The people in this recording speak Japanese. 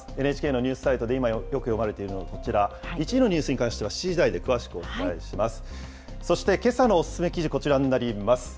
ＮＨＫのニュースサイトで今よく読まれているのはこちら、１位のニュースに関しては、７時台で詳しくお伝えします。